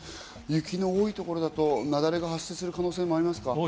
雪の多いところだと雪崩が発生する可能性もありますか？